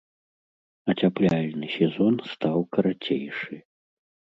Ацяпляльны сезон стаў карацейшы.